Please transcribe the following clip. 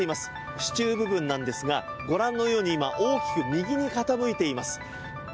支柱部分なんですがご覧のように今、大きく右に傾いています。